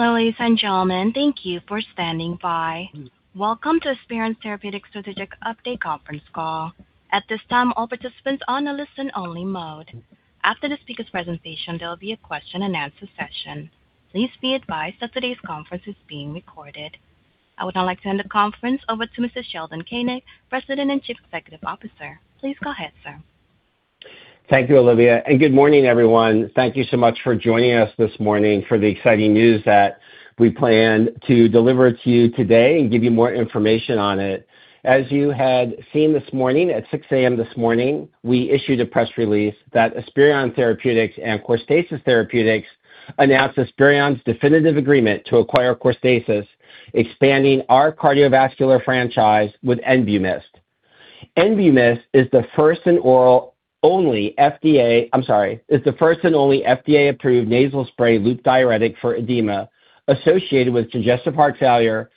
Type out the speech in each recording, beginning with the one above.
Hello, ladies and gentlemen. Thank you for standing by. Welcome to Esperion Therapeutics Strategic Update conference call. At this time, all participants on a listen only mode. After the speaker's presentation, there will be a question-and-answer session. Please be advised that today's conference is being recorded. I would now like to hand the conference over to Mr. Sheldon Koenig, President and Chief Executive Officer. Please go ahead, Sir. Thank you, Olivia. Good morning, everyone. Thank you so much for joining us this morning for the exciting news that we plan to deliver to you today and give you more information on it. As you had seen this morning, at 6:00 A.M. this morning, we issued a press release that Esperion Therapeutics and Corstasis Therapeutics announced Esperion's definitive agreement to acquire Corstasis, expanding our cardiovascular franchise with ENBUMYST. ENBUMYST is the first and only FDA-approved nasal spray loop diuretic for edema associated with congestive heart failure.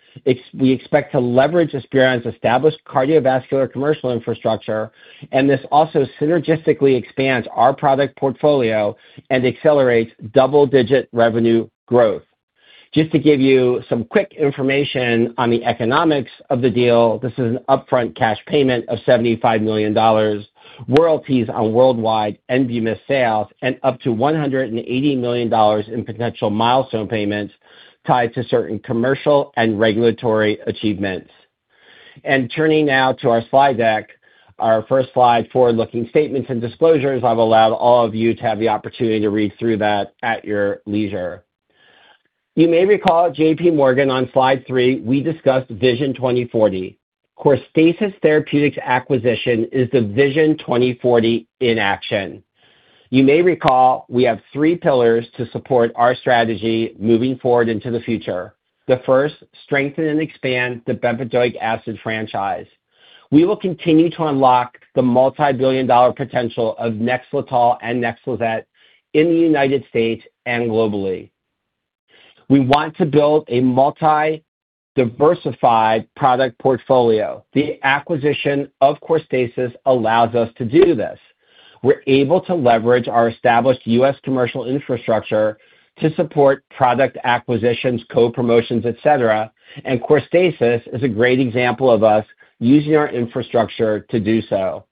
We expect to leverage Esperion's established cardiovascular commercial infrastructure. This also synergistically expands our product portfolio and accelerates double-digit revenue growth. Just to give you some quick information on the economics of the deal, this is an upfront cash payment of $75 million, royalties on worldwide ENBUMYST sales and up to $180 million in potential milestone payments tied to certain commercial and regulatory achievements. Turning now to our slide deck, our first slide, forward-looking statements and disclosures. I've allowed all of you to have the opportunity to read through that at your leisure. You may recall J.P. Morgan on Slide 3, we discussed Vision 2040. Corstasis Therapeutics acquisition is the Vision 2040 in action. You may recall we have three pillars to support our strategy moving forward into the future. The first, strengthen and expand the bempedoic acid franchise. We will continue to unlock the multi-billion dollar potential of NEXLETOL and NEXLIZET in the United States and globally. We want to build a multi-diversified product portfolio. The acquisition of Corstasis allows us to do this. We're able to leverage our established U.S. commercial infrastructure to support product acquisitions, co-promotions, etc. Corstasis is a great example of us using our infrastructure to do so.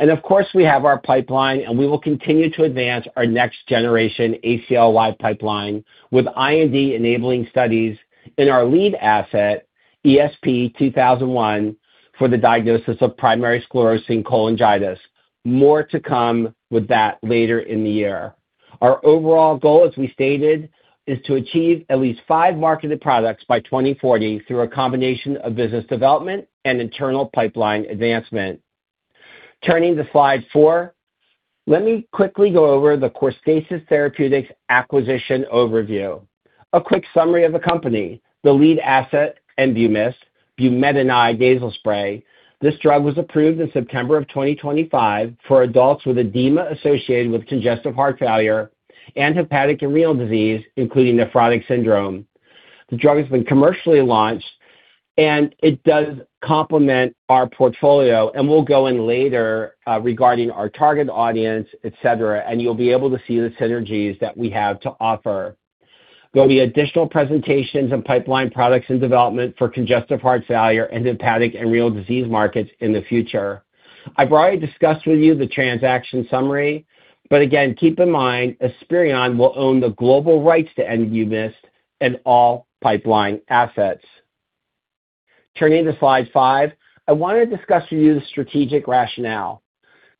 Of course, we have our pipeline, and we will continue to advance our next generation ACLY pipeline with IND-enabling studies in our lead asset, ESP-2001, for the diagnosis of primary sclerosing cholangitis. More to come with that later in the year. Our overall goal, as we stated, is to achieve at least five marketed products by 2040 through a combination of business development and internal pipeline advancement. Turning to Slide 4, let me quickly go over the Corstasis Therapeutics acquisition overview. A quick summary of the company, the lead asset, ENBUMYST, bumetanide nasal spray. This drug was approved in September of 2025 for adults with edema associated with congestive heart failure and hepatic and renal disease, including nephrotic syndrome. The drug has been commercially launched and it does complement our portfolio, and we'll go in later regarding our target audience, etc., and you'll be able to see the synergies that we have to offer. There'll be additional presentations and pipeline products in development for congestive heart failure and hepatic and renal disease markets in the future. I've already discussed with you the transaction summary, but again, keep in mind, Esperion will own the global rights to ENBUMYST and all pipeline assets. Turning to Slide 5, I want to discuss with you the strategic rationale.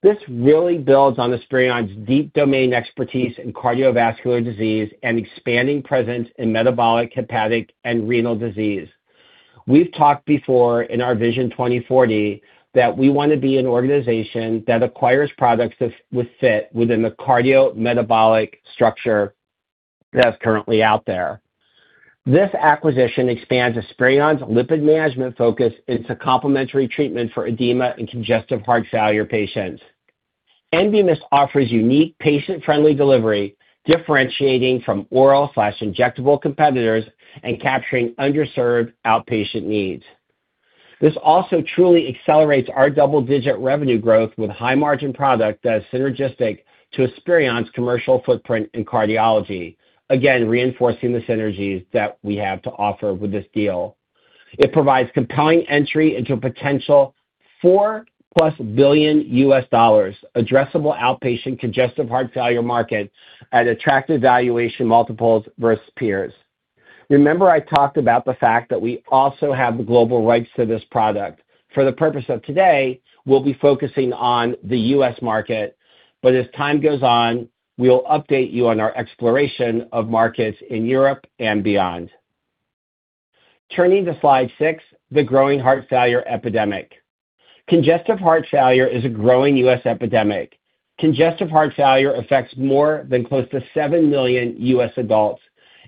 This really builds on Esperion's deep domain expertise in cardiovascular disease and expanding presence in metabolic, hepatic, and renal disease. We've talked before in our Vision 2040 that we want to be an organization that acquires products that would fit within the cardiometabolic structure that's currently out there. This acquisition expands Esperion's lipid management focus into complementary treatment for edema in congestive heart failure patients. ENBUMYST offers unique patient-friendly delivery, differentiating from oral/injectable competitors and capturing underserved outpatient needs. This also truly accelerates our double-digit revenue growth with high-margin product that is synergistic to Esperion's commercial footprint in cardiology. Again, reinforcing the synergies that we have to offer with this deal. It provides compelling entry into a potential $4+ billion addressable outpatient congestive heart failure market at attractive valuation multiples versus peers. Remember I talked about the fact that we also have the global rights to this product. For the purpose of today, we'll be focusing on the U.S. market. As time goes on, we will update you on our exploration of markets in Europe and beyond. Turning to Slide 6, the growing heart failure epidemic. Congestive heart failure is a growing U.S. epidemic. Congestive heart failure affects more than close to 7 million U.S. adults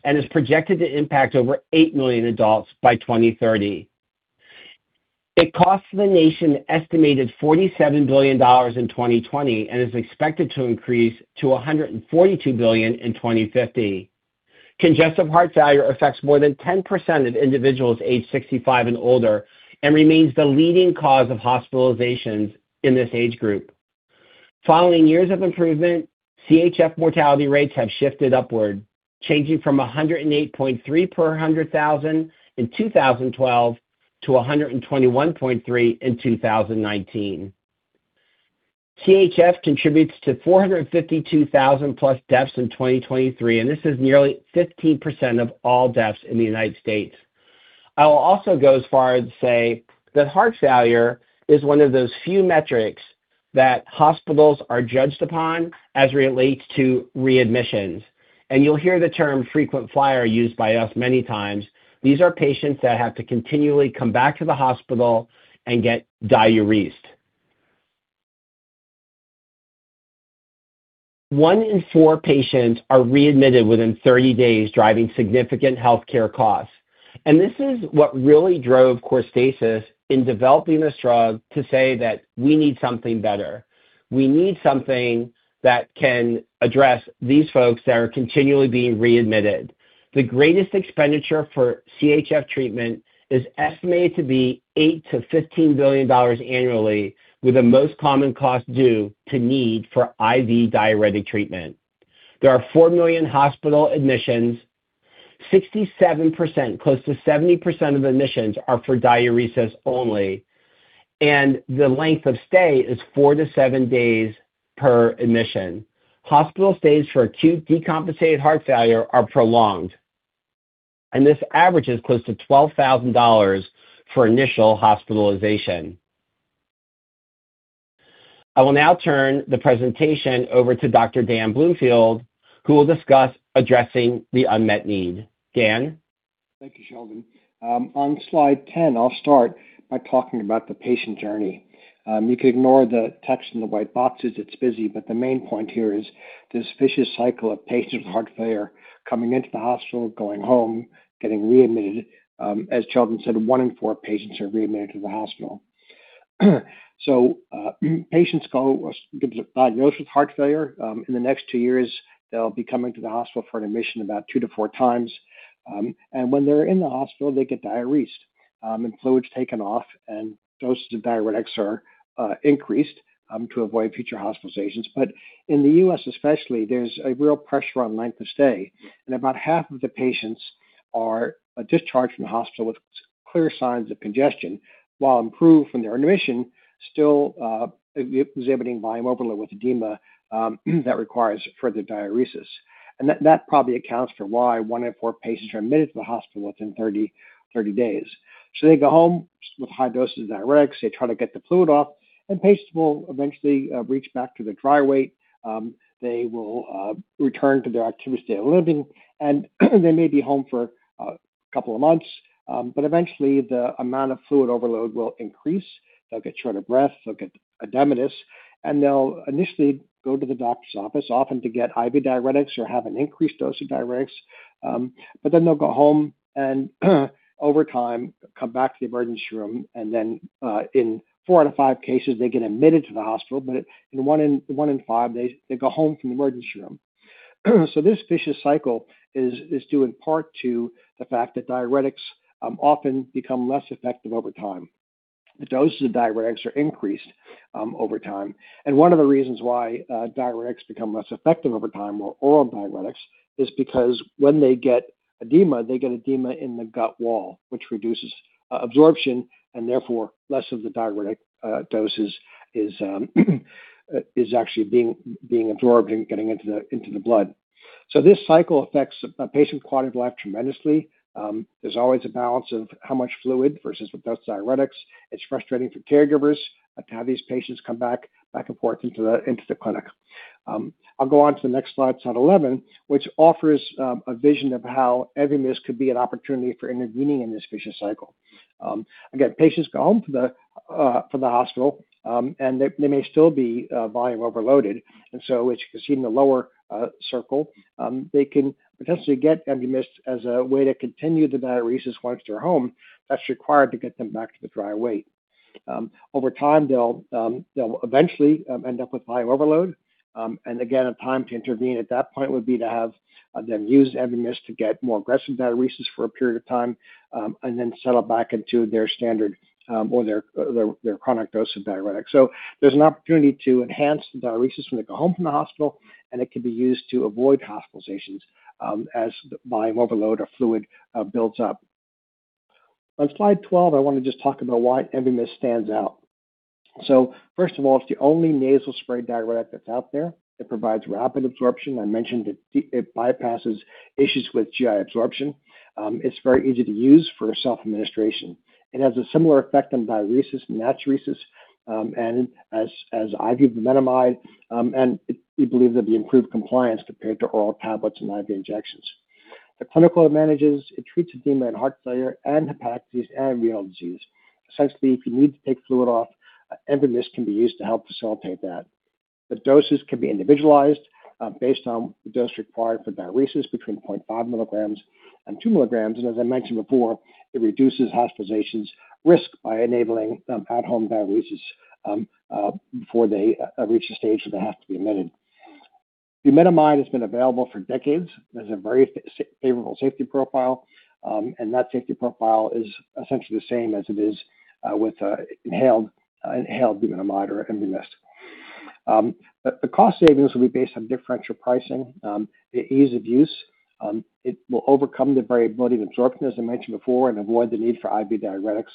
and is projected to impact over 8 million adults by 2030. It costs the nation estimated $47 billion in 2020 and is expected to increase to $142 billion in 2050. Congestive heart failure affects more than 10% of individuals aged 65 and older and remains the leading cause of hospitalizations in this age group. Following years of improvement, CHF mortality rates have shifted upward, changing from 108.3 per 100,000 in 2012 to 121.3 in 2019. CHF contributes to 452,000+ deaths in 2023. This is nearly 15% of all deaths in the United States. I will also go as far as say that heart failure is one of those few metrics that hospitals are judged upon as it relates to readmissions. You'll hear the term frequent flyer used by us many times. These are patients that have to continually come back to the hospital and get diuresed. One in four patients are readmitted within 30 days, driving significant healthcare costs. This is what really drove Corstasis in developing this drug to say that we need something better. We need something that can address these folks that are continually being readmitted. The greatest expenditure for CHF treatment is estimated to be $8 billion-$15 billion annually, with the most common cost due to need for IV diuretic treatment. There are 4 million hospital admissions. 67%, close to 70% of admissions are for diuresis only, and the length of stay is four to seven days per admission. Hospital stays for acute decompensated heart failure are prolonged, and this averages close to $12,000 for initial hospitalization. I will now turn the presentation over to Dr. Dan Bloomfield, who will discuss addressing the unmet need. Dan. Thank you, Sheldon. On Slide 10, I'll start by talking about the patient journey. You can ignore the text in the white boxes. It's busy, but the main point here is this vicious cycle of patients with heart failure coming into the hospital, going home, getting readmitted. As Sheldon said, one in four patients are readmitted to the hospital. Patients go, gets diagnosed with heart failure. In the next two years, they'll be coming to the hospital for an admission about 2 to 4x. When they're in the hospital, they get diuresed, and fluid's taken off, and doses of diuretics are increased to avoid future hospitalizations. In the U.S. especially, there's a real pressure on length of stay, and about half of the patients are discharged from the hospital with clear signs of congestion while improved from their admission, still exhibiting volume overload with edema that requires further diuresis. That probably accounts for why one in four patients are admitted to the hospital within 30 days. They go home with high doses of diuretics. They try to get the fluid off, and patients will eventually reach back to their dry weight. They will return to their activities they're living, and they may be home for a couple of months, but eventually the amount of fluid overload will increase. They'll get short of breath, they'll get edematous, and they'll initially go to the doctor's office often to get IV diuretics or have an increased dose of diuretics. They'll go home and over time, come back to the emergency room. In four out of five cases, they get admitted to the hospital. In one in five, they go home from the emergency room. This vicious cycle is due in part to the fact that diuretics often become less effective over time. The doses of diuretics are increased over time. One of the reasons why diuretics become less effective over time or oral diuretics is because when they get edema, they get edema in the gut wall, which reduces absorption and therefore less of the diuretic doses is actually being absorbed and getting into the blood. This cycle affects a patient's quality of life tremendously. There's always a balance of how much fluid versus without diuretics. It's frustrating for caregivers to have these patients come back and forth into the clinic. I'll go on to the next Slide 11, which offers a vision of how ENBUMYST could be an opportunity for intervening in this vicious cycle. Again, patients go home from the hospital, and they may still be volume overloaded. As you can see in the lower circle, they can potentially get ENBUMYST as a way to continue the diuresis once they're home that's required to get them back to the dry weight. Over time, they'll eventually end up with volume overload. Again, a time to intervene at that point would be to have them use ENBUMYST to get more aggressive diuresis for a period of time, and then settle back into their standard or their chronic dose of diuretic. There's an opportunity to enhance the diuresis when they go home from the hospital, and it can be used to avoid hospitalizations, as volume overload or fluid builds up. On Slide 12, I want to just talk about why ENBUMYST stands out. First of all, it's the only nasal spray diuretic that's out there. It provides rapid absorption. I mentioned it bypasses issues with GI absorption. It's very easy to use for self-administration. It has a similar effect on diuresis and natriuresis, and as IV bumetanide, we believe there'll be improved compliance compared to oral tablets and IV injections. The clinical it manages, it treats edema and heart failure and hepatic disease and renal disease. Essentially, if you need to take fluid off, ENBUMYST can be used to help facilitate that. The doses can be individualized, based on the dose required for diuresis between 0.5 mg and 2 mg. As I mentioned before, it reduces hospitalizations risk by enabling, at-home diuresis, before they reach the stage where they have to be admitted. Bumetanide has been available for decades. It has a very favorable safety profile. And that safety profile is essentially the same as it is with inhaled bumetanide or ENBUMYST. But the cost savings will be based on differential pricing, the ease of use. It will overcome the variability of absorption, as I mentioned before, and avoid the need for IV diuretics.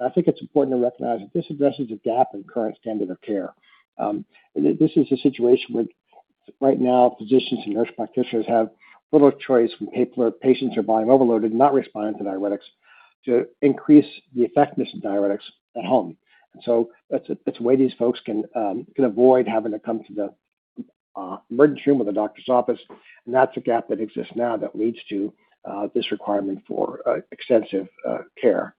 I think it's important to recognize that this addresses a gap in current standard of care. This is a situation where right now, physicians and nurse practitioners have little choice when patients are volume overloaded, not responding to diuretics to increase the effectiveness of diuretics at home. That's a way these folks can avoid having to come to the emergency room or the doctor's office, and that's a gap that exists now that leads to this requirement for extensive care.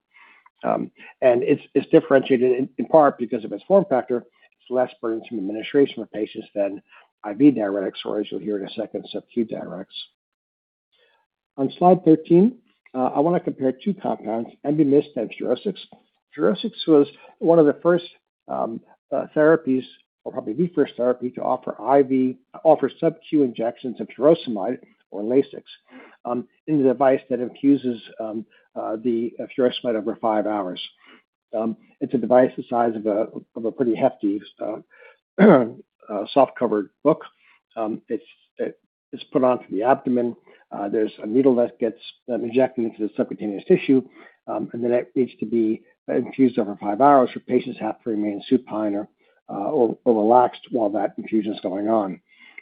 It's differentiated in part because of its form factor. It's less burdensome administration for patients than IV diuretics, or as you'll hear in a second, subQ diuretics. On Slide 13, I wanna compare two compounds, ENBUMYST and FUROSCIX. FUROSCIX was one of the first therapies or probably the first therapy to offer subQ injections of furosemide or LASIX in a device that infuses the FUROSCIX over 5 hours. It's a device the size of a pretty hefty soft covered book. It's put onto the abdomen. There's a needle that gets injected into the subcutaneous tissue, and then it needs to be infused over 5 hours for patients have to remain supine or relaxed while that infusion's going on.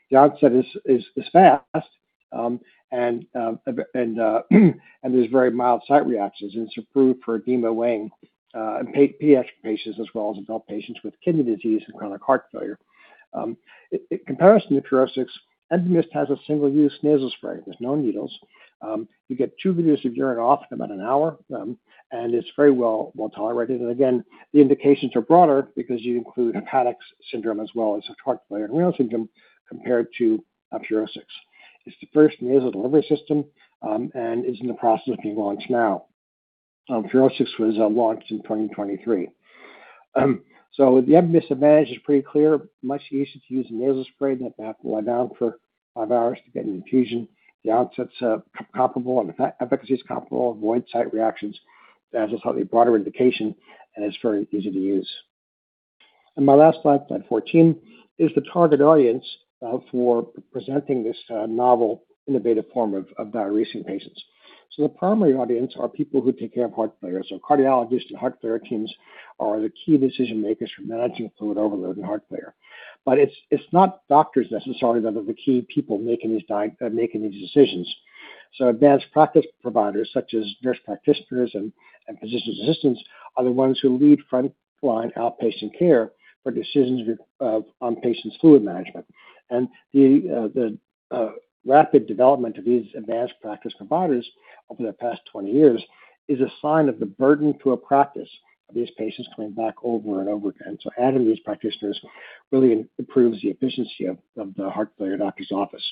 The onset is fast, and there's very mild site reactions, and it's approved for edema weighing, and pediatric patients as well as adult patients with kidney disease and chronic heart failure. In comparison to LASIX and ENBUMYST has a single-use nasal spray. There's no needles. You get two videos of urine off in about 1 hour, and it's very well-tolerated. Again, the indications are broader because you include nephrotic syndrome as well as heart failure and renal syndrome compared to LASIX. It's the first nasal delivery system and is in the process of being launched now. FUROSCIX was launched in 2023. So the ENBUMYST advantage is pretty clear. Much easier to use nasal spray than have to lie down for 5 hours to get an infusion. The onset's comparable and efficacy is comparable, avoid site reactions. It has a slightly broader indication, it's very easy to use. My last Slide 14, is the target audience for presenting this novel innovative form of diuretic in patients. The primary audience are people who take care of heart failure, cardiologists and heart failure teams are the key decision-makers for managing fluid overload and heart failure. It's not doctors necessarily that are the key people making these decisions. Advanced practice providers such as nurse practitioners and physician assistants are the ones who lead frontline outpatient care for decisions on patients' fluid management. The rapid development of these advanced practice providers over the past 20 years is a sign of the burden to a practice of these patients coming back over and over again. Adding these practitioners really improves the efficiency of the heart failure doctor's office.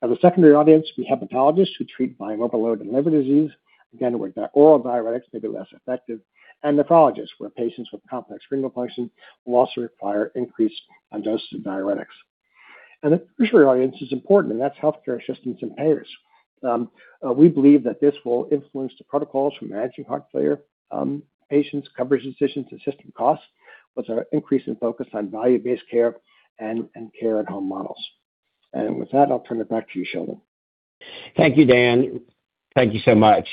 The secondary audience will be hepatologists who treat volume overload and liver disease, again, where the oral diuretics may be less effective. Nephrologists, where patients with complex renal function will also require increased doses of diuretics. The tertiary audience is important, and that's healthcare assistants and payers. We believe that this will influence the protocols for managing heart failure patients' coverage decisions and system costs with our increase in focus on value-based care and care at home models. With that, I'll turn it back to you, Sheldon. Thank you, Dan. Thank you so much.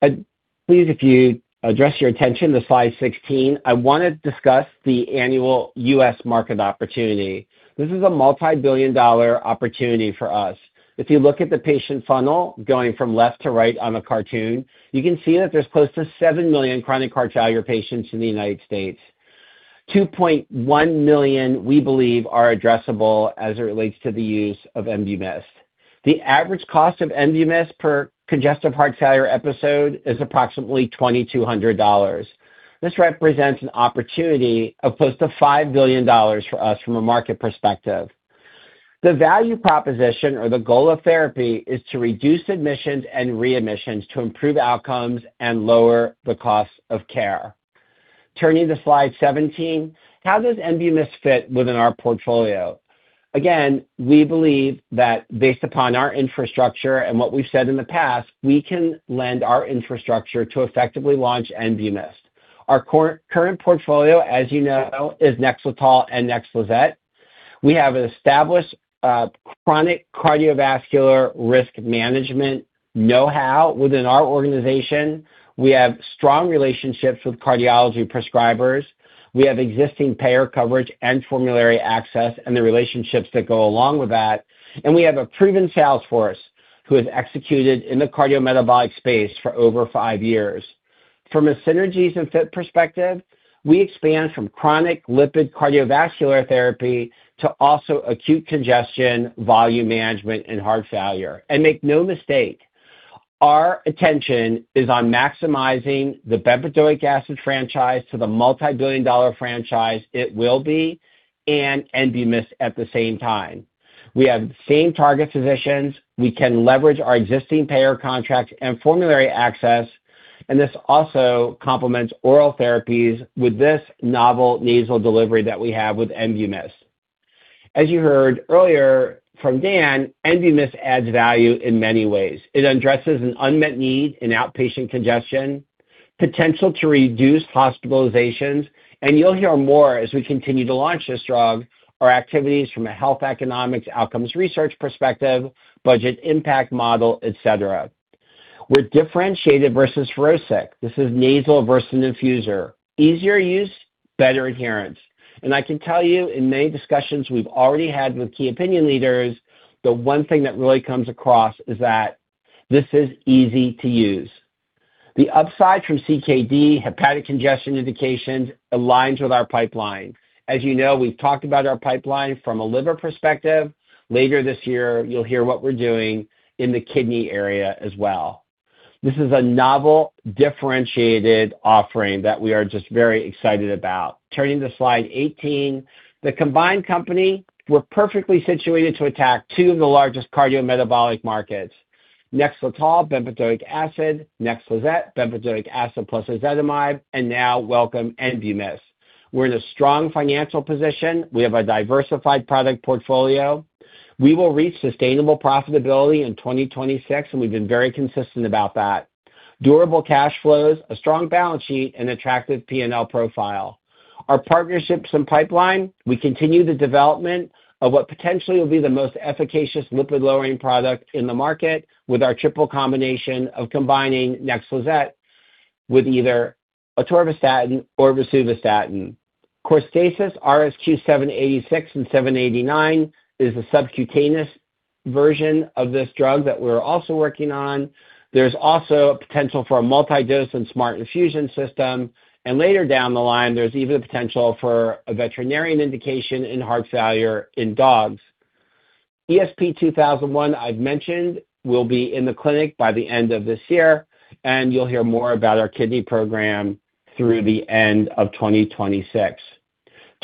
Please, if you address your attention to Slide 16, I want to discuss the annual U.S. market opportunity. This is a multi-billion dollar opportunity for us. If you look at the patient funnel going from left to right on the cartoon, you can see that there's close to 7 million chronic heart failure patients in the United States. 2.1 million, we believe, are addressable as it relates to the use of ENBUMYST. The average cost of ENBUMYST per congestive heart failure episode is approximately $2,200. This represents an opportunity of close to $5 billion for us from a market perspective. The value proposition or the goal of therapy is to reduce admissions and readmissions to improve outcomes and lower the cost of care. Turning to Slide 17, how does ENBUMYST fit within our portfolio? We believe that based upon our infrastructure and what we've said in the past, we can lend our infrastructure to effectively launch ENBUMYST. Our current portfolio, as you know, is NEXLETOL and NEXLIZET. We have established chronic cardiovascular risk management know-how within our organization. We have strong relationships with cardiology prescribers. We have existing payer coverage and formulary access and the relationships that go along with that. We have a proven sales force who has executed in the cardiometabolic space for over five years. From a synergies and fit perspective, we expand from chronic lipid cardiovascular therapy to also acute congestion, volume management, and heart failure. Make no mistake, our attention is on maximizing the bempedoic acid franchise to the multi-billion dollar franchise it will be and ENBUMYST at the same time. We have the same target physicians. We can leverage our existing payer contracts and formulary access. This also complements oral therapies with this novel nasal delivery that we have with ENBUMYST. As you heard earlier from Dan, ENBUMYST adds value in many ways. It addresses an unmet need in outpatient congestion, potential to reduce hospitalizations, and you'll hear more as we continue to launch this drug. Our activities from a health economics outcomes research perspective, budget impact model, et cetera. We're differentiated versus FUROSCIX. This is nasal versus infuser. Easier use, better adherence. I can tell you in many discussions we've already had with key opinion leaders, the one thing that really comes across is that this is easy to use. The upside from CKD hepatic congestion indications aligns with our pipeline. As you know, we've talked about our pipeline from a liver perspective. Later this year, you'll hear what we're doing in the kidney area as well. This is a novel differentiated offering that we are just very excited about. Turning to Slide 18, the combined company were perfectly situated to attack two of the largest cardiometabolic markets, NEXLETOL, bempedoic acid, NEXLIZET, bempedoic acid plus ezetimibe, and now welcome ENBUMYST. We're in a strong financial position. We have a diversified product portfolio. We will reach sustainable profitability in 2026, and we've been very consistent about that. Durable cash flows, a strong balance sheet and attractive P&L profile. Our partnerships and pipeline. We continue the development of what potentially will be the most efficacious lipid-lowering product in the market with our triple combination of combining NEXLIZET with either atorvastatin or rosuvastatin. Corstasis RS-786 and RS-789 is a subcutaneous version of this drug that we're also working on. There's also potential for a multi-dose and smart infusion system, and later down the line, there's even a potential for a veterinarian indication in heart failure in dogs. ESP-2001, I've mentioned, will be in the clinic by the end of this year and you'll hear more about our kidney program through the end of 2026.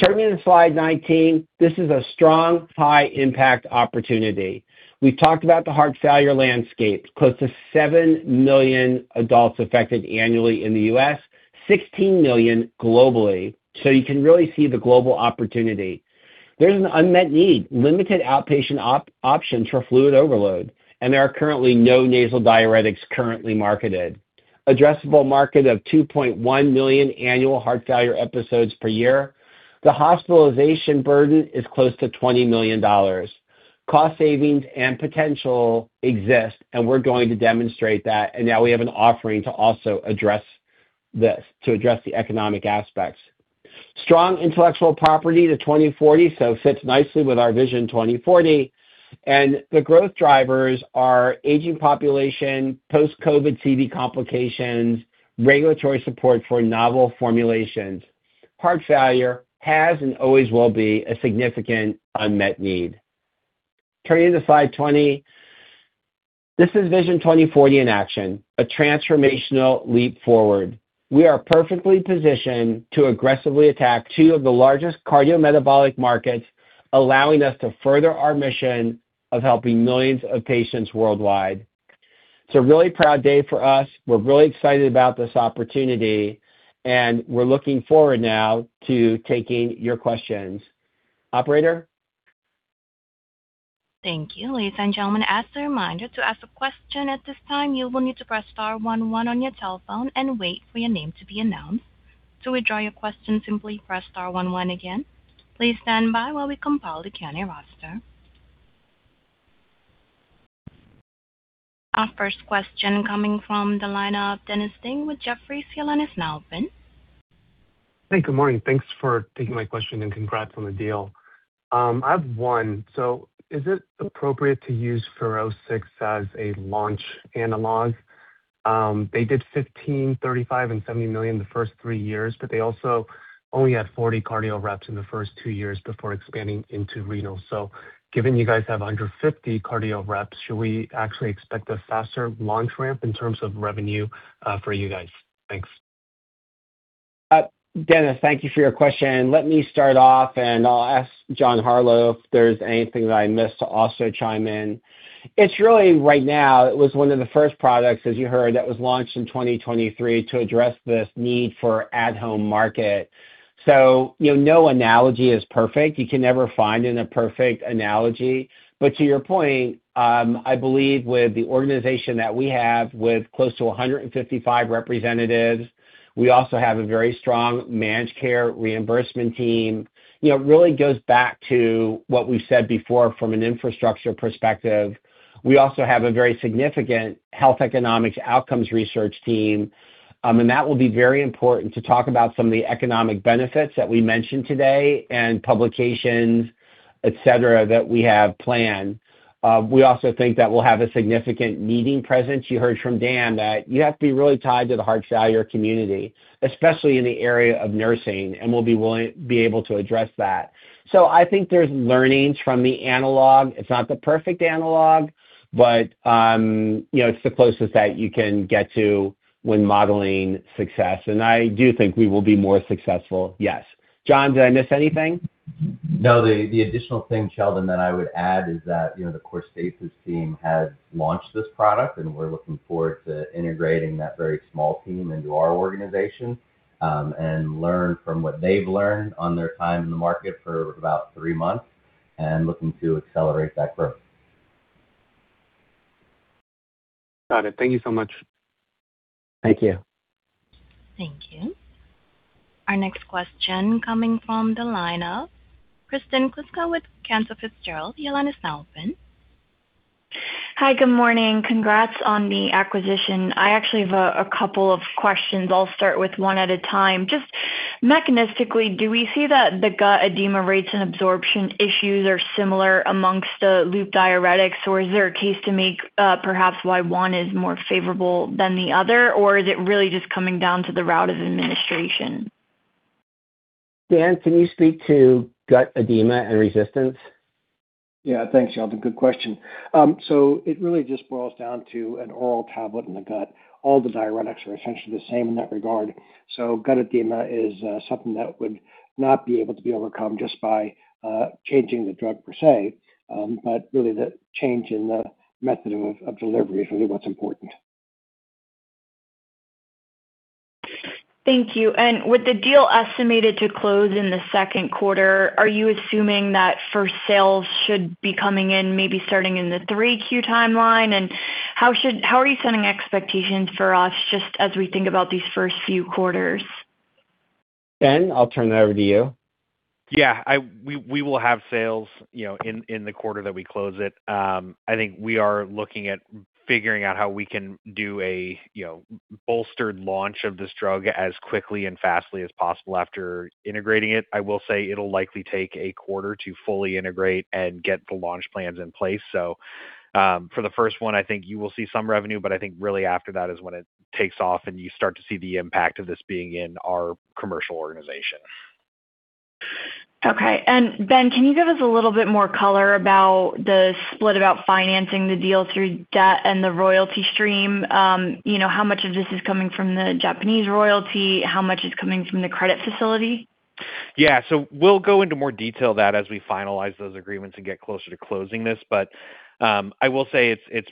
Turning to Slide 19. This is a strong high impact opportunity. We've talked about the heart failure landscape. Close to 7 million adults affected annually in the U.S., 16 million globally. You can really see the global opportunity. There's an unmet need, limited outpatient options for fluid overload, and there are currently no nasal diuretics currently marketed. Addressable market of 2.1 million annual heart failure episodes per year. The hospitalization burden is close to $20 million. Cost savings and potential exist and we're going to demonstrate that. Now we have an offering to also address this, to address the economic aspects. Strong intellectual property to 2040, so fits nicely with our Vision 2040. The growth drivers are aging population, post-COVID CV complications, regulatory support for novel formulations. Heart failure has and always will be a significant unmet need. Turning to Slide 20. This is Vision 2040 in action, a transformational leap forward. We are perfectly positioned to aggressively attack two of the largest cardiometabolic markets, allowing us to further our mission of helping millions of patients worldwide. It's a really proud day for us. We're really excited about this opportunity, and we're looking forward now to taking your questions. Operator. Thank you. Ladies and gentlemen, as a reminder to ask a question at this time, you will need to press star one one on your telephone and wait for your name to be announced. To withdraw your question, simply press star one one again. Please stand by while we compile the Q&A roster. Our first question coming from the line of Dennis Ding with Jefferies. Your line is now open. Hey, Good morning. Thanks for taking my question and congrats on the deal. I have one. Is it appropriate to use FUROSCIX as a launch analog? They did $15 million, $35 million and $70 million the first three years, but they also only had 40 cardio reps in the first two years before expanding into renal. Given you guys have under 50 cardio reps, should we actually expect a faster launch ramp in terms of revenue for you guys? Thanks. Dennis, thank you for your question. Let me start off and I'll ask John Harlow if there's anything that I missed to also chime in. It's really right now, it was one of the first products, as you heard, that was launched in 2023 to address this need for at-home market. You know, no analogy is perfect. You can never find in a perfect analogy. To your point, I believe with the organization that we have with close to 155 representatives, we also have a very strong managed care reimbursement team. You know, it really goes back to what we said before from an infrastructure perspective. We also have a very significant health economics outcomes research team. That will be very important to talk about some of the economic benefits that we mentioned today and publications, et cetera, that we have planned. We also think that we'll have a significant meeting presence. You heard from Dan that you have to be really tied to the heart failure community, especially in the area of nursing, and we'll be able to address that. I think there's learnings from the analog. It's not the perfect analog, but, you know, it's the closest that you can get to when modeling success. I do think we will be more successful, yes. John, did I miss anything? No. The additional thing, Sheldon, that I would add is that, you know, the Corstasis team has launched this product, and we're looking forward to integrating that very small team into our organization, and learn from what they've learned on their time in the market for about three months and looking to accelerate that growth. Got it. Thank you so much. Thank you. Thank you. Our next question coming from the line of Kristen Kluska with Cantor Fitzgerald. Your line is now open. Hi, Good morning. Congrats on the acquisition. I actually have a couple of questions. I'll start with one at a time. Just mechanistically, do we see that the gut edema rates and absorption issues are similar amongst the loop diuretics, or is there a case to make, perhaps why one is more favorable than the other? Is it really just coming down to the route of administration? Dan, can you speak to gut edema and resistance? Yeah. Thanks, y'all. Good question. It really just boils down to an oral tablet in the gut. All the diuretics are essentially the same in that regard. Gut edema is something that would not be able to be overcome just by changing the drug per se. Really the change in the method of delivery is really what's important. Thank you. With the deal estimated to close in the second quarter, are you assuming that first sales should be coming in, maybe starting in the 3Q timeline? How are you setting expectations for us just as we think about these first few quarters? Ben, I'll turn that over to you. Yeah. We will have sales, you know, in the quarter that we close it. I think we are looking at figuring out how we can do a, you know, bolstered launch of this drug as quickly and fastly as possible after integrating it. I will say it'll likely take a quarter to fully integrate and get the launch plans in place. For the first one, I think you will see some revenue, but I think really after that is when it takes off and you start to see the impact of this being in our commercial organization. Okay. Ben, can you give us a little bit more color about the split, about financing the deal through debt and the royalty stream? you know, how much of this is coming from the Japanese royalty? How much is coming from the credit facility? We'll go into more detail that as we finalize those agreements and get closer to closing this. I will say it's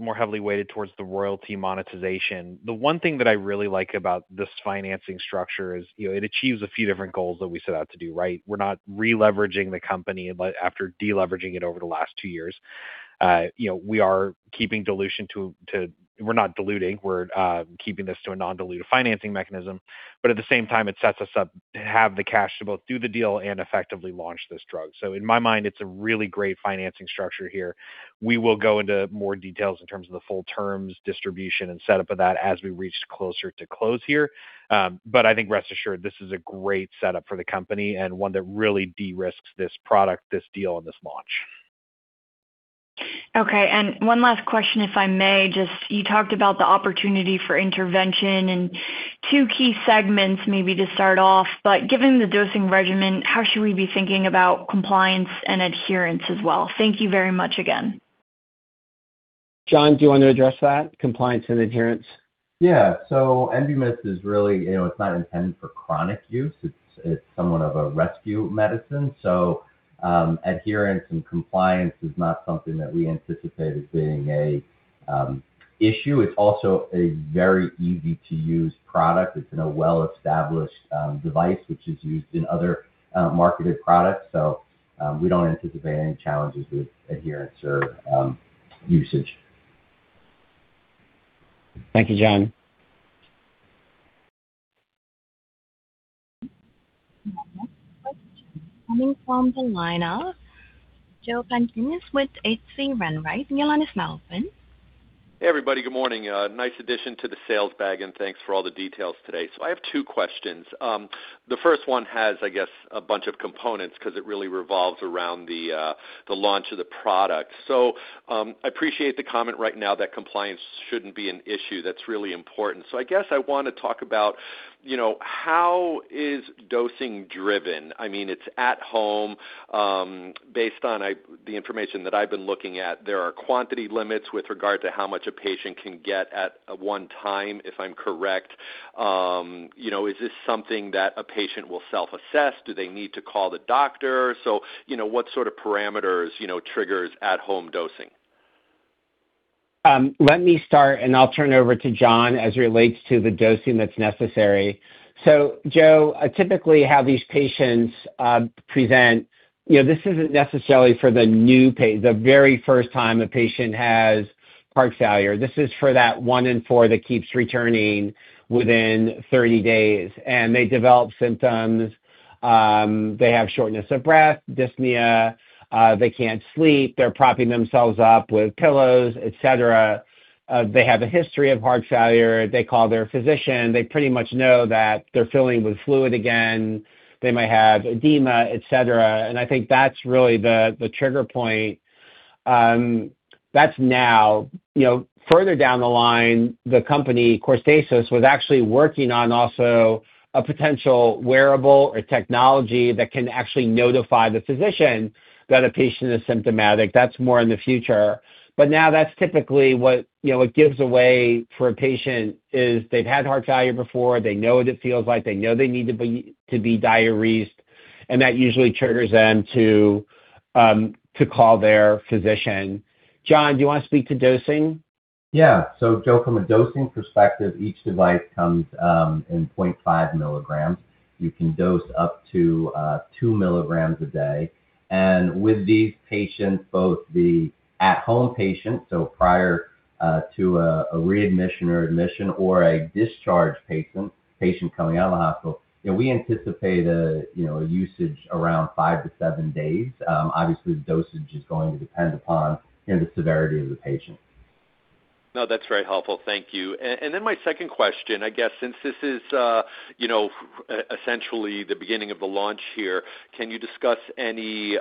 more heavily weighted towards the royalty monetization. The one thing that I really like about this financing structure is, you know, it achieves a few different goals that we set out to do, right? We're not releveraging the company after deleveraging it over the last two years. You know, we are not diluting. We're keeping this to a non-diluted financing mechanism. At the same time, it sets us up to have the cash to both do the deal and effectively launch this drug. In my mind, it's a really great financing structure here. We will go into more details in terms of the full terms, distribution, and setup of that as we reach closer to close here. I think rest assured this is a great setup for the company and one that really de-risks this product, this deal, and this launch. Okay. One last question, if I may. Just, you talked about the opportunity for intervention in two key segments, maybe to start off. Given the dosing regimen, how should we be thinking about compliance and adherence as well? Thank you very much again. John, do you want to address that, compliance and adherence? Yeah. ENBUMYST is really, you know, it's not intended for chronic use. It's somewhat of a rescue medicine. Adherence and compliance is not something that we anticipate as being a issue. It's also a very easy-to-use product. It's in a well-established device which is used in other marketed products. We don't anticipate any challenges with adherence or usage. Thank you, John. The next question coming from the line of Joseph Pantginis with H.C. Wainwright & Co. Your line is now open. Hey, everybody. Good morning. Thanks for all the details today. I have two questions. The first one has, I guess, a bunch of components 'cause it really revolves around the launch of the product. I appreciate the comment right now that compliance shouldn't be an issue. That's really important. I guess I wanna talk about, you know, how is dosing driven? I mean, it's at home, based on the information that I've been looking at. There are quantity limits with regard to how much a patient can get at 1 time, if I'm correct. You know, is this something that a patient will self-assess? Do they need to call the doctor? You know, what sort of parameters, you know, triggers at-home dosing? Let me start, and I'll turn over to John as it relates to the dosing that's necessary. Joe, typically how these patients present, you know, this isn't necessarily for the very first time a patient has heart failure. This is for that one in four that keeps returning within 30 days and they develop symptoms. They have shortness of breath, dyspnea, they can't sleep, they're propping themselves up with pillows, et cetera. They have a history of heart failure. They call their physician. They pretty much know that they're filling with fluid again. They might have edema, et cetera. I think that's really the trigger point. That's now. You know, further down the line, the company, Corstasis, was actually working on also a potential wearable or technology that can actually notify the physician that a patient is symptomatic. That's more in the future. Now that's typically what gives away for a patient is they've had heart failure before, they know what it feels like, they know they need to be diuresed, and that usually triggers them to call their physician. John, do you wanna speak to dosing? Yeah. Joe, from a dosing perspective, each device comes in 0.5 mg. You can dose up to 2 mg a day. With these patients, both the at-home patient, so prior to a readmission or admission or a discharge patient coming out of the hospital. You know, we anticipate a usage around five to seven days. Obviously the dosage is going to depend upon, you know, the severity of the patient. No, that's very helpful. Thank you. My second question, I guess since this is, you know, essentially the beginning of the launch here, can you discuss any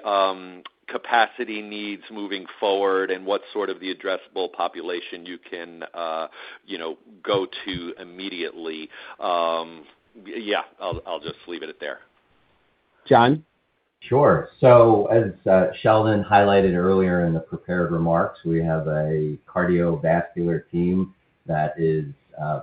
capacity needs moving forward and what sort of the addressable population you can, you know, go to immediately? Yeah, I'll just leave it there. John? Sure. As Sheldon highlighted earlier in the prepared remarks, we have a cardiovascular team that is,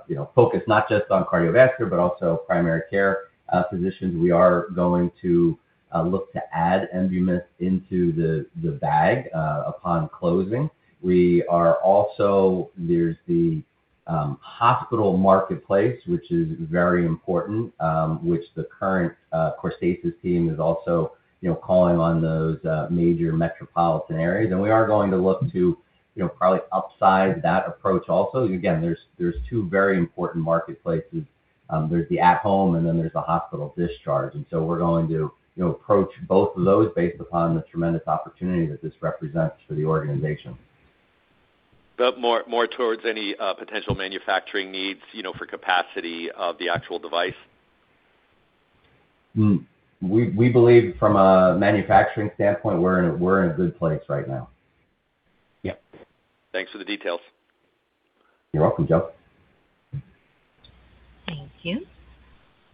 you know, focused not just on cardiovascular, but also primary care physicians. We are going to look to add ENBUMYST into the bag upon closing. We are also, there's the hospital marketplace, which is very important, which the current Corstasis team is also, you know, calling on those major metropolitan areas. We are going to look to, you know, probably upsize that approach also. Again, there's two very important marketplaces. There's the at home, and then there's the hospital discharge. We're going to, you know, approach both of those based upon the tremendous opportunity that this represents for the organization. More towards any potential manufacturing needs, you know, for capacity of the actual device. We believe from a manufacturing standpoint, we're in a good place right now. Yeah. Thanks for the details. You're welcome, Joe. Thank you.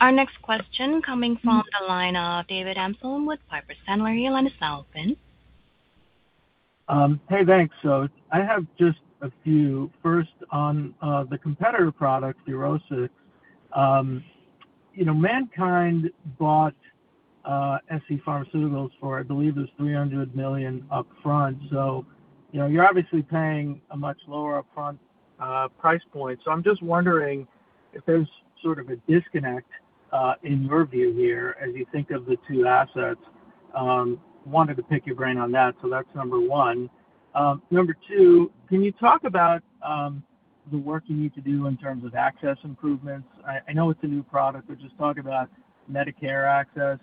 Our next question coming from the line of David Amsellem with Piper Sandler. Your line is now open. Hey, thanks. I have just a few. First on the competitor product, FUROSCIX. You know, MannKind bought scPharmaceuticals for, I believe, it was $300 million upfront. You know, you're obviously paying a much lower upfront price point. I'm just wondering if there's sort of a disconnect in your view here as you think of the two assets. Wanted to pick your brain on that. That's number one. Number two, can you talk about the work you need to do in terms of access improvements? I know it's a new product, but just talk about Medicare access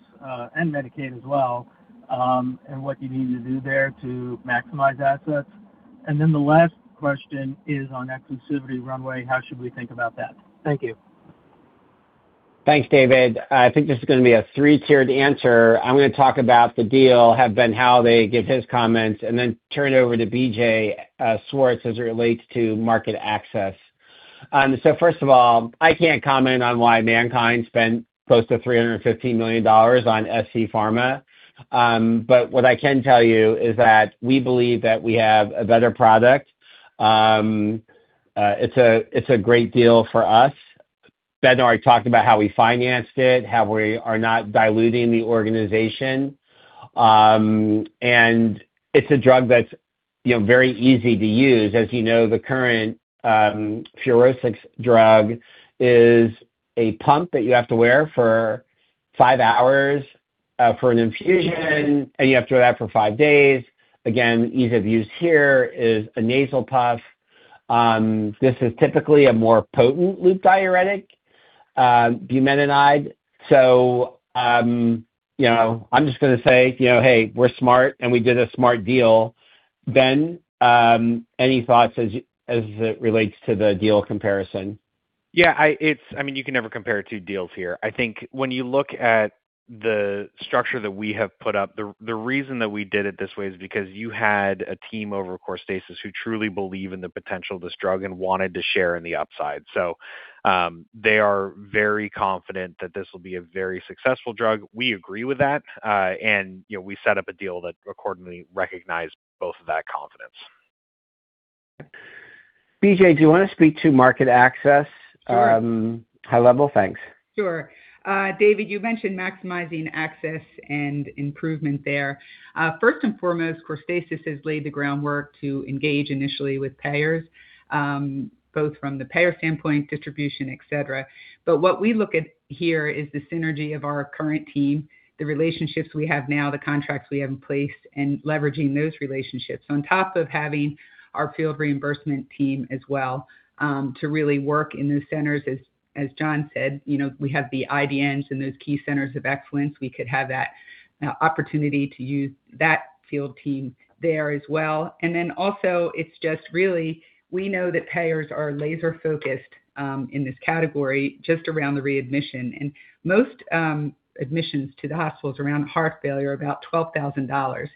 and Medicaid as well, and what you need to do there to maximize assets. The last question is on exclusivity runway. How should we think about that? Thank you. Thanks, David. I think this is gonna be a three-tiered answer. I'm gonna talk about the deal, have Ben Halladay give his comments, and then turn it over to BJ Schwartz as it relates to market access. First of all, I can't comment on why MannKind spent close to $350 million on SC Pharma. What I can tell you is that we believe that we have a better product. It's a great deal for us. Ben already talked about how we financed it, how we are not diluting the organization. And it's a drug that's, you know, very easy to use. As you know, the current LASIX drug is a pump that you have to wear for five hours for an infusion, and you have to do that for five days. Again, ease of use here is a nasal puff. This is typically a more potent loop diuretic, bumetanide. You know, I'm just gonna say, you know, hey, we're smart, and we did a smart deal. Ben, any thoughts as it relates to the deal comparison? I mean, you can never compare two deals here. I think when you look at the structure that we have put up, the reason that we did it this way is because you had a team over at Corstasis who truly believe in the potential of this drug and wanted to share in the upside. They are very confident that this will be a very successful drug. We agree with that, you know, we set up a deal that accordingly recognized both of that confidence. BJ, do you wanna speak to market access? Sure. High level. Thanks. Sure. David, you mentioned maximizing access and improvement there. First and foremost, Corstasis has laid the groundwork to engage initially with payers, both from the payer standpoint, distribution, etc. What we look at here is the synergy of our current team, the relationships we have now, the contracts we have in place, and leveraging those relationships. On top of having our field reimbursement team as well, to really work in those centers as John said, you know, we have the IDNs and those key centers of excellence. We could have that opportunity to use that field team there as well. Also it's just really we know that payers are laser-focused in this category just around the readmission. Most admissions to the hospital is around heart failure are about $12,000.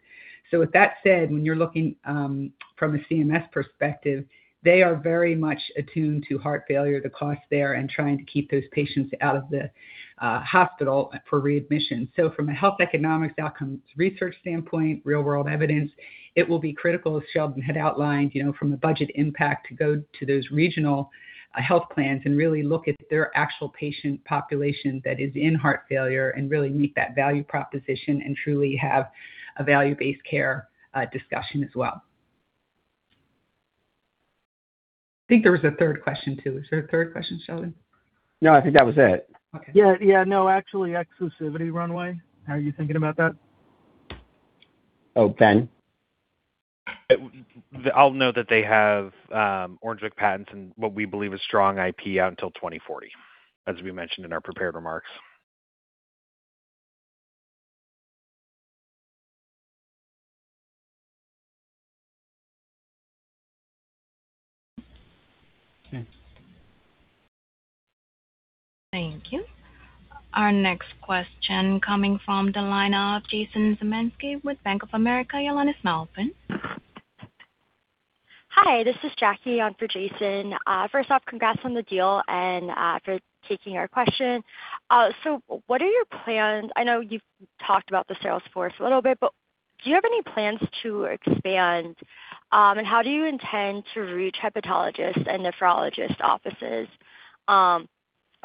With that said, when you're looking from a CMS perspective, they are very much attuned to heart failure, the cost there, and trying to keep those patients out of the hospital for readmission. From a health economics outcomes research standpoint, real-world evidence, it will be critical, as Sheldon had outlined, you know, from a budget impact to go to those regional health plans and really look at their actual patient population that is in heart failure and really meet that value proposition and truly have a value-based care discussion as well. I think there was a third question too. Is there a third question, Sheldon? No, I think that was it. Okay. Yeah, yeah. No, actually, exclusivity runway. How are you thinking about that? Oh, Ben. I'll note that they have Orange Book patents and what we believe is strong IP out until 2040, as we mentioned in our prepared remarks. Okay. Thank you. Our next question coming from the line of Jason Zemansky with Bank of America. Your line is now open. Hi, this is Jackie on for Jason. First off, congrats on the deal and for taking our question. What are your plans? I know you've talked about the sales force a little bit, but do you have any plans to expand? How do you intend to reach hepatologists and nephrologist offices?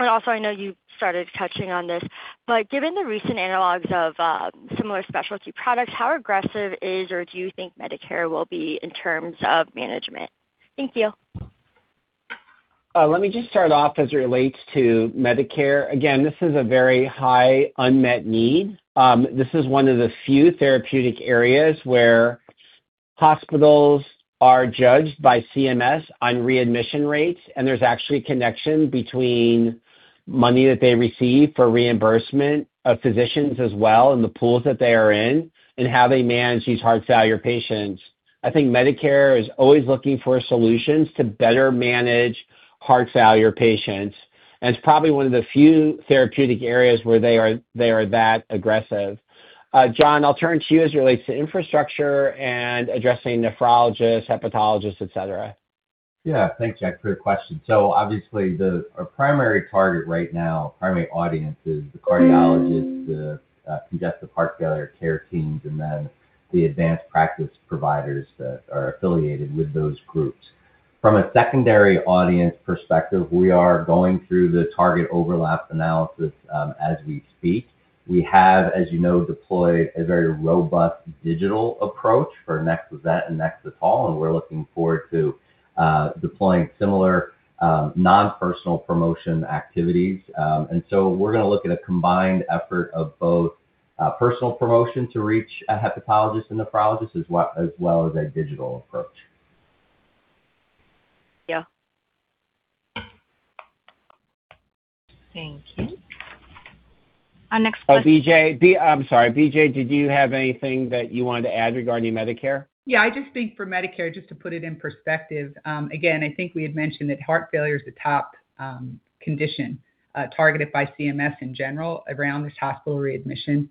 Also, I know you started touching on this, but given the recent analogs of similar specialty products, how aggressive is or do you think Medicare will be in terms of management? Thank you. Let me just start off as it relates to Medicare. Again, this is a very high unmet need. This is one of the few therapeutic areas where hospitals are judged by CMS on readmission rates, there's actually a connection between money that they receive for reimbursement of physicians as well, and the pools that they are in, and how they manage these heart failure patients. I think Medicare is always looking for solutions to better manage heart failure patients, it's probably one of the few therapeutic areas where they are that aggressive. John, I'll turn to you as it relates to infrastructure and addressing nephrologists, hepatologists, et cetera. Yeah. Thanks, Jackie, for your question. Obviously our primary target right now, primary audience is the cardiologist, the congestive heart failure care teams, and then the advanced practice providers that are affiliated with those groups. From a secondary audience perspective, we are going through the target overlap analysis as we speak. We have, as you know, deployed a very robust digital approach for NEXLETOL and NEXLIZET, and we're looking forward to deploying similar non-personal promotion activities. We're going to look at a combined effort of both personal promotion to reach a hepatologist and nephrologist as well, as well as a digital approach. Yeah. Thank you. Our next question. Oh, BJ. I'm sorry. BJ, did you have anything that you wanted to add regarding Medicare? Yeah. I just think for Medicare, just to put it in perspective, again, I think we had mentioned that heart failure is the top condition targeted by CMS in general around this hospital readmission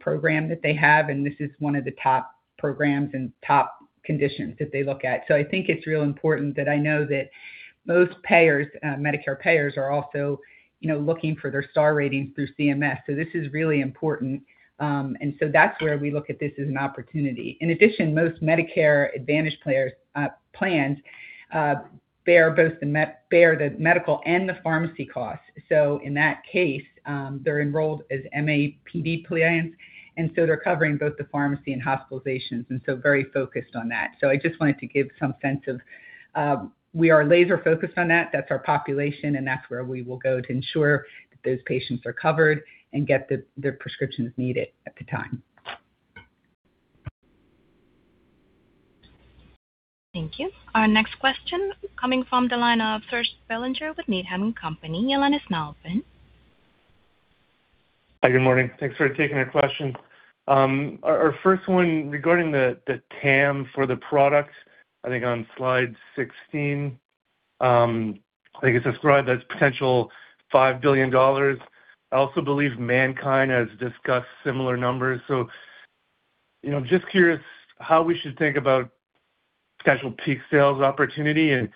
program that they have, and this is one of the top programs and top conditions that they look at. I think it's real important that I know that most payers, Medicare payers are also, you know, looking for their star ratings through CMS. This is really important. That's where we look at this as an opportunity. In addition, most Medicare Advantage plans bear the medical and the pharmacy costs. In that case, they're enrolled as MAPD plans, and so they're covering both the pharmacy and hospitalizations, and so very focused on that. I just wanted to give some sense of, we are laser focused on that's our population, and that's where we will go to ensure that those patients are covered and get the prescriptions needed at the time. Thank you. Our next question coming from the line of Serge Belanger with Needham & Company. Your line is now open. Hi, Good morning. Thanks for taking our question. Our first one regarding the TAM for the product, I think on Slide 16, I think it's described as potential $5 billion. I also believe MannKind has discussed similar numbers. You know, just curious how we should think about scheduled peak sales opportunity and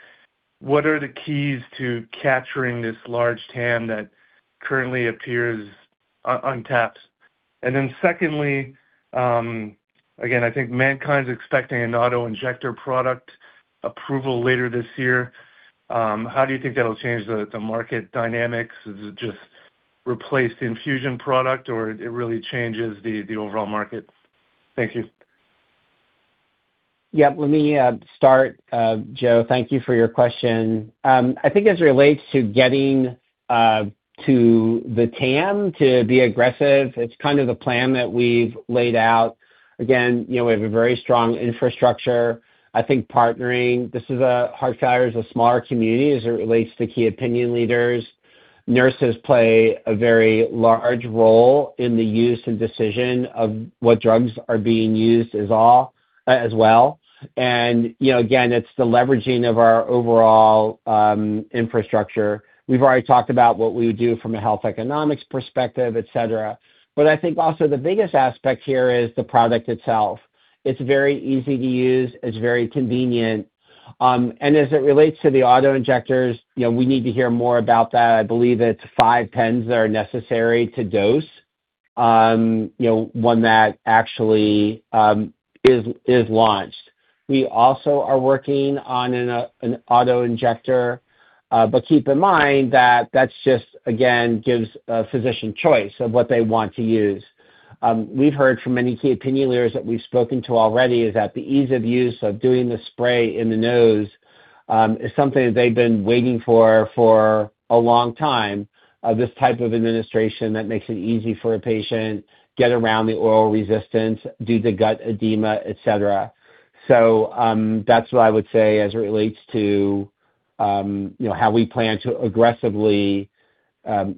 what are the keys to capturing this large TAM that currently appears untapped. Secondly, again, I think MannKind's expecting an auto-injector product approval later this year. How do you think that'll change the market dynamics? Is it just replace the infusion product or it really changes the overall market? Thank you. Let me start. Serge, thank you for your question. I think as it relates to getting to the TAM to be aggressive, it's kind of the plan that we've laid out. You know, we have a very strong infrastructure. I think heart failure is a smaller community as it relates to key opinion leaders. Nurses play a very large role in the use and decision of what drugs are being used as all as well. You know, again, it's the leveraging of our overall infrastructure. We've already talked about what we would do from a health economics perspective, et cetera. I think also the biggest aspect here is the product itself. It's very easy to use. It's very convenient. As it relates to the auto-injectors, you know, we need to hear more about that. I believe it's five pens that are necessary to dose, you know, one that actually is launched. We also are working on an auto-injector, but keep in mind that that's just again, gives a physician choice of what they want to use. We've heard from many key opinion leaders that we've spoken to already is that the ease of use of doing the spray in the nose, is something they've been waiting for for a long time of this type of administration that makes it easy for a patient, get around the oral resistance, due to gut edema, et cetera. That's what I would say as it relates to, you know, how we plan to aggressively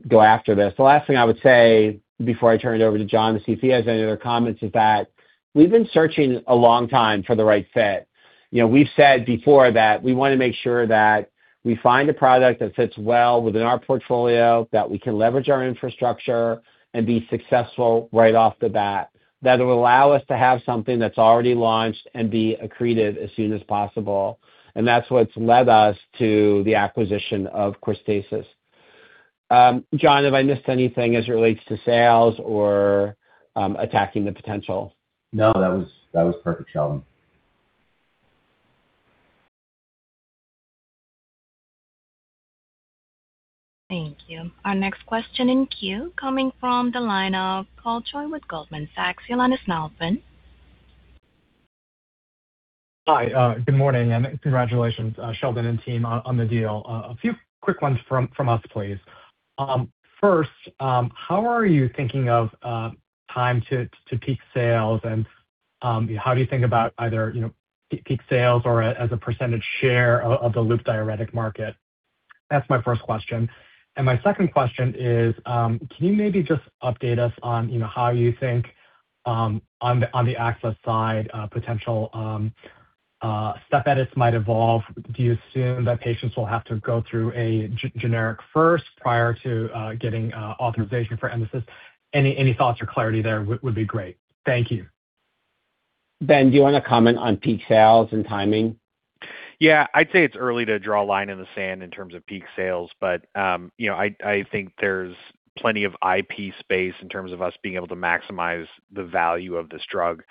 go after this. The last thing I would say before I turn it over to John to see if he has any other comments, is that we've been searching a long time for the right fit. You know, we've said before that we wanna make sure that we find a product that fits well within our portfolio, that we can leverage our infrastructure and be successful right off the bat. That it'll allow us to have something that's already launched and be accreted as soon as possible. That's what's led us to the acquisition of Corstasis. John, have I missed anything as it relates to sales or attacking the potential? No, that was, that was perfect, Sheldon. Thank you. Our next question in queue coming from the line of Paul Choi with Goldman Sachs. Your line is now open. Hi, Good morning, Congratulations, Sheldon and team on the deal. A few quick ones from us, please. First, how are you thinking of time to peak sales? How do you think about either, you know, peak sales or as a % share of the loop diuretic market? That's my first question. My second question is, can you maybe just update us on, you know, how you think on the access side, potential step edits might evolve? Do you assume that patients will have to go through a generic first prior to getting authorization for ENBUMYST? Any thoughts or clarity there would be great. Thank you. Ben, do you wanna comment on peak sales and timing? Yeah. I'd say it's early to draw a line in the sand in terms of peak sales. You know, I think there's plenty of IP space in terms of us being able to maximize the value of this drug.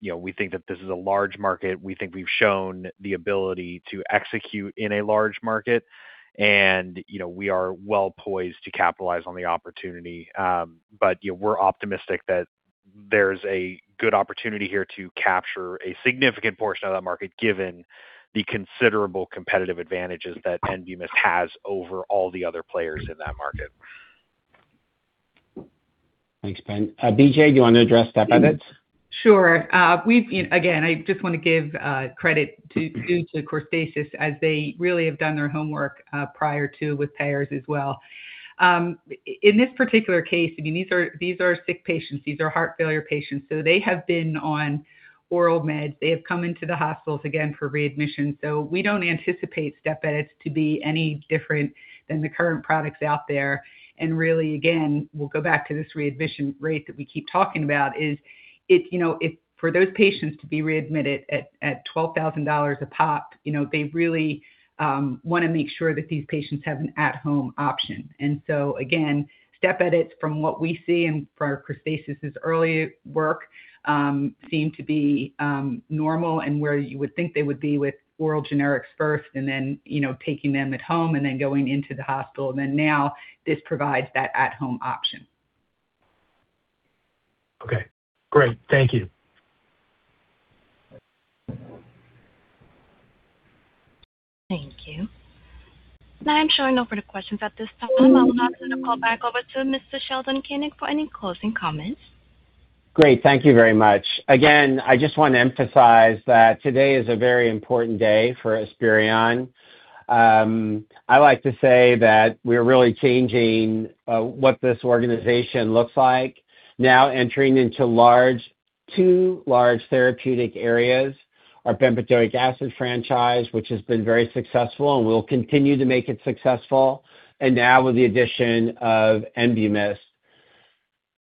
You know, we think that this is a large market. We think we've shown the ability to execute in a large market. You know, we are well poised to capitalize on the opportunity. You know, we're optimistic that there's a good opportunity here to capture a significant portion of that market, given the considerable competitive advantages that ENBUMYST has over all the other players in that market. Thanks, Ben. BJ, do you wanna address step edits? Sure. Again, I just wanna give credit to Corstasis as they really have done their homework prior to with payers as well. In this particular case, I mean, these are sick patients. These are heart failure patients, so they have been on oral meds. They have come into the hospitals again for readmission. We don't anticipate step edits to be any different than the current products out there. Really, again, we'll go back to this readmission rate that we keep talking about is it, you know, For those patients to be readmitted at $12,000 a pop, you know, they really wanna make sure that these patients have an at home option. Again, step edits from what we see and from Corstasis's early work seem to be normal and where you would think they would be with oral generics first and then, you know, taking them at home and then going into the hospital, and then now this provides that at home option. Okay, great. Thank you. Thank you. I'm showing no further questions at this time. I would now like to call back over to Mr. Sheldon Koenig for any closing comments. Great. Thank you very much. I just wanna emphasize that today is a very important day for Esperion. I like to say that we're really changing what this organization looks like now entering into two large therapeutic areas, our bempedoic acid franchise, which has been very successful, and we'll continue to make it successful. Now with the addition of ENBUMYST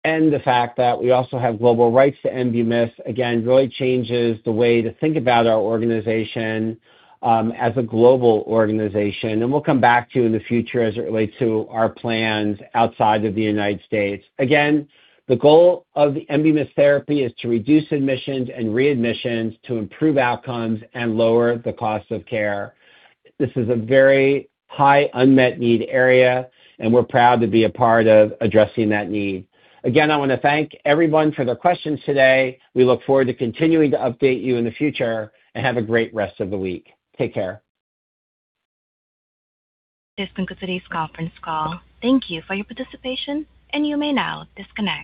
and the fact that we also have global rights to ENBUMYST, again, really changes the way to think about our organization as a global organization. We'll come back to you in the future as it relates to our plans outside of the United States. Again, the goal of the ENBUMYST therapy is to reduce admissions and readmissions, to improve outcomes and lower the cost of care. This is a very high unmet need area, and we're proud to be a part of addressing that need. Again, I wanna thank everyone for their questions today. We look forward to continuing to update you in the future, and have a great rest of the week. Take care. This concludes today's conference call. Thank you for your participation. You may now disconnect.